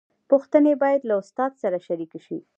پوښتنې باید له استاد سره شریکې شي.